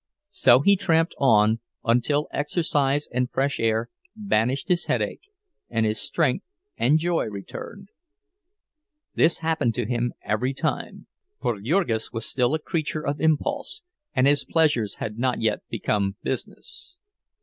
So he tramped on until exercise and fresh air banished his headache, and his strength and joy returned. This happened to him every time, for Jurgis was still a creature of impulse, and his pleasures had not yet become business.